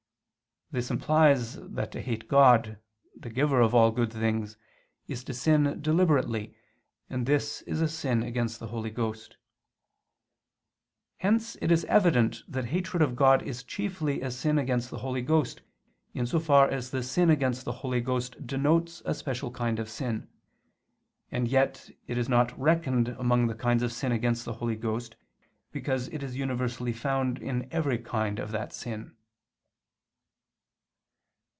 This implies that to hate God, the giver of all good things, is to sin deliberately, and this is a sin against the Holy Ghost. Hence it is evident that hatred of God is chiefly a sin against the Holy Ghost, in so far as the sin against the Holy Ghost denotes a special kind of sin: and yet it is not reckoned among the kinds of sin against the Holy Ghost, because it is universally found in every kind of that sin.